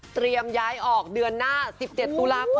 ย้ายออกเดือนหน้า๑๗ตุลาคม